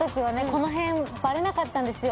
この辺バレなかったんですよ